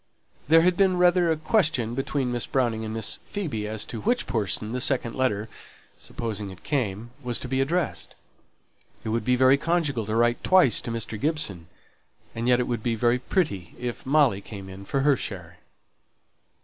There had been rather a question between Miss Browning and Miss Phoebe as to which person the second letter (supposing it came) was to be addressed to. It would be very conjugal to write twice to Mr. Gibson; and yet it would be very pretty if Molly came in for her share.